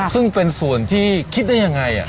ซึ่งเป็นส่วนที่คิดได้ยังไง